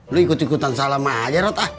lu ikut ikutan salam aja rot